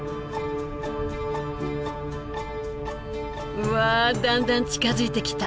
うわだんだん近づいてきた。